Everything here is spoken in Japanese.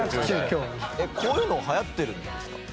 こういうの流行ってるんですか？